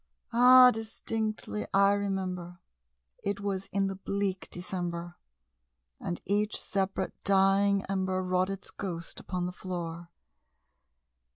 Ah, distinctly I remember, it was in the bleak December, And each separate dying ember wrought its ghost upon the floor.